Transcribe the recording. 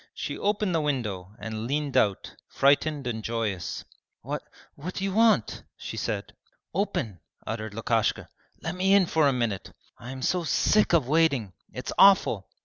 She opened the window and leant out, frightened and joyous. 'What what do you want?' she said. 'Open!' uttered Lukashka. 'Let me in for a minute. I am so sick of waiting! It's awful!'